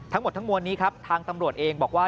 ทั้งหมดทั้งมวลนี้ครับทางตำรวจเองบอกว่า